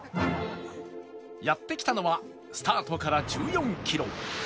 やって来たのはスタートから１４キロ